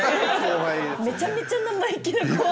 めちゃめちゃ生意気な後輩。